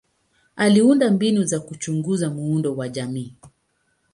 Aliunda mbinu za kuchunguza muundo wa jamii.